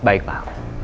tepat di sekianter